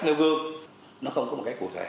nêu gương nó không có một cái cụ thể